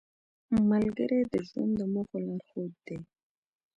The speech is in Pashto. ملګری د ژوند د موخو لارښود دی